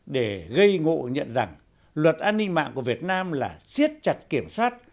để gây ngộ nhận rằng luật an ninh mạng của việt nam là siết chặt kiểm soát